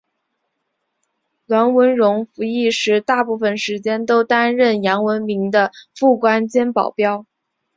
阮文戎服役时大部分时间都担任杨文明的副官兼保镖。